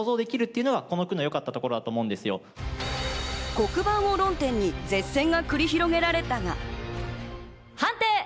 黒板を論点に舌戦が繰り広げられたが。